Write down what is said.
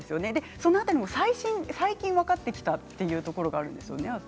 その辺りも最近分かってきたというところがあるんですよね。